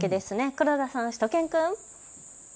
黒田さん、しゅと犬くん。